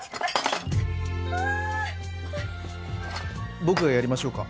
僕がやりましょうか？